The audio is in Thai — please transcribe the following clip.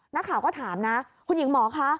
นักข่าวก็ถามนะคุณหญิงหมอคะ